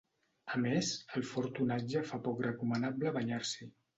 A més, el fort onatge fa poc recomanable banyar-s'hi.